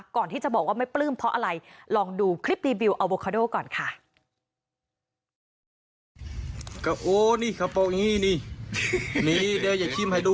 ก่อนที่จะบอกว่าไม่ปลื้มเพราะอะไรลองดูคลิปรีวิวอัโบคาโดก่อนค่ะ